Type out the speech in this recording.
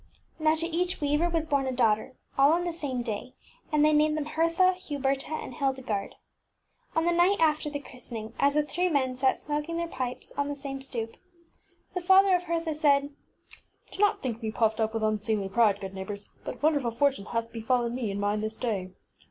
Now to each weaver was born a daughter, all on the same day, and they named them Hertha, Huberta, and Hildegarde. On the night after the christening, as the three men sat smoking their pipes on the same stoop, the father of Hertha said, ŌĆś Do not think me puffed up with unseemly pride, good neighbours, but wonderful fortune hath %be Wbm Qflleabrrsf befallen me and mine this day.